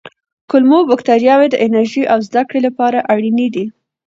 کولمو بکتریاوې د انرژۍ او زده کړې لپاره اړینې دي.